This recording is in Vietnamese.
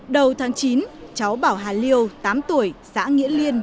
đầu tháng chín cháu bảo hà liêu tám tuổi xã nghĩa liên